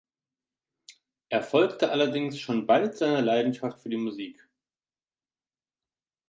Er folgte allerdings schon bald seiner Leidenschaft für die Musik.